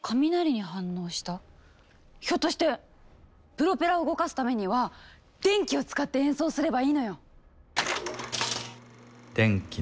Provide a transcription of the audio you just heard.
プロペラを動かすためには電気を使って演奏すればいいのよ。